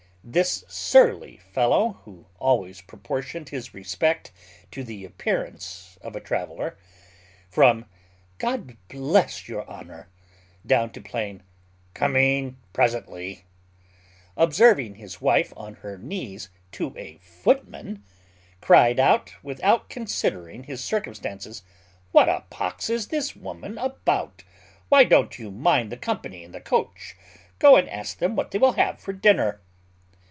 This surly fellow, who always proportioned his respect to the appearance of a traveller, from "God bless your honour," down to plain "Coming presently," observing his wife on her knees to a footman, cried out, without considering his circumstances, "What a pox is the woman about? why don't you mind the company in the coach? Go and ask them what they will have for dinner."